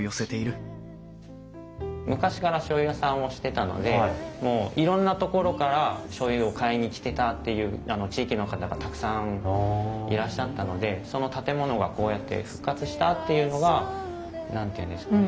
昔からしょうゆ屋さんをしてたのでもういろんな所からしょうゆを買いに来てたっていう地域の方がたくさんいらっしゃったのでその建物がこうやって復活したっていうのが何て言うんですかね